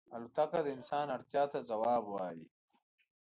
الوتکه د انسان اړتیا ته ځواب وايي.